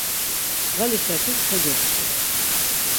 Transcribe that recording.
Ğali şakis kogepti.